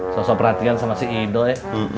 sosok perhatian sama si idoi